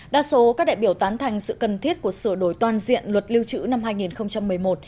đa số các đại biểu tán thành sự cần thiết của sửa đổi toàn diện luật lưu trữ năm hai nghìn một mươi một